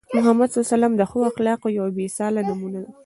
محمد صلى الله عليه وسلم د ښو اخلاقو یوه بې مثاله نمونه وو.